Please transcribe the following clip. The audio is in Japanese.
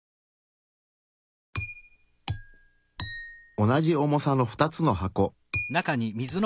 おなじ重さの２つの箱。